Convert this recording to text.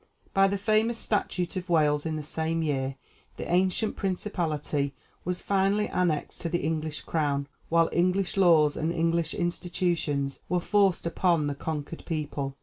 By the famous Statute of Wales in the same year, the ancient principality was finally annexed to the English crown, while English laws and English institutions were forced upon the conquered people.